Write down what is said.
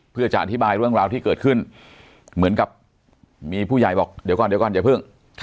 เพื่อจะอธิบายเรื่องราวที่เกิดขึ้นเหมือนกับมีผู้ใหญ่บอกเดี๋ยวก่อนเดี๋ยวก่อนอย่าเพิ่ง